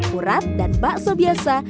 kurat dan bakso biasa